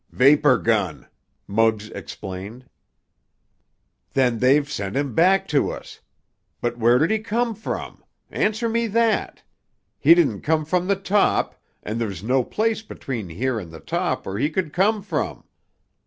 "Vapor gun!" Muggs explained. "Then they've sent him back to us. But where did he come from? Answer me that! He didn't come from the top, and there's no place between here and the top where he could come from.